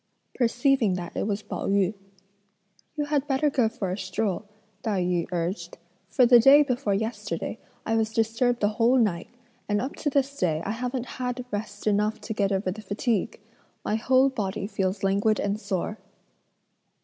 Perceiving that it was Pao yü, "You had better go for a stroll," Tai yü urged, "for the day before yesterday I was disturbed the whole night, and up to this day I haven't had rest enough to get over the fatigue. My whole body feels languid and sore."